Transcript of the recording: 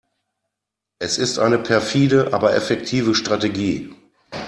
Es ist eine perfide, aber effektive Strategie.